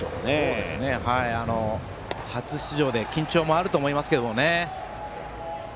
そうですね、初出場で緊張もあると思いますけどね。